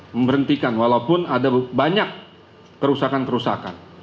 memberhentikan walaupun ada banyak kerusakan kerusakan